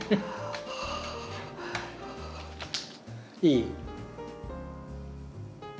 いい？